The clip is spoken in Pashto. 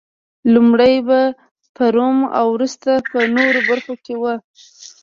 لومړی په روم او وروسته په نورو برخو کې و